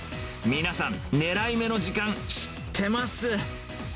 皆さん、狙い目の時間、知ってます。